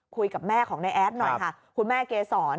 คุยกับแม่ของนายแอดหน่อยค่ะคุณแม่เกษร